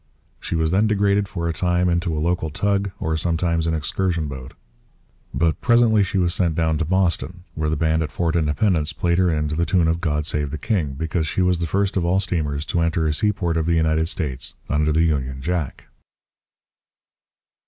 She was then degraded for a time into a local tug or sometimes an excursion boat. But presently she was sent down to Boston, where the band at Fort Independence played her in to the tune of 'God Save the King,' because she was the first of all steamers to enter a seaport of the United States under the Union Jack.